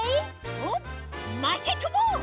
おっまさとも！